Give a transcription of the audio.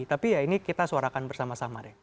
tapi ya ini kita suarakan bersama sama deh